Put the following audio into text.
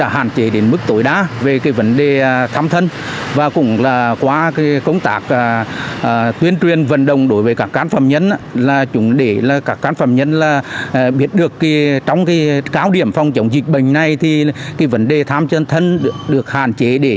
hãy đăng ký kênh để ủng hộ kênh của mình nhé